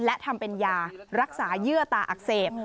และทำเป็นยารักษาเยื่อตาอักเสบ